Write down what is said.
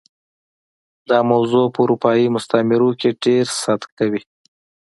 دا موضوع په اروپايي مستعمرو کې ډېر صدق کوي.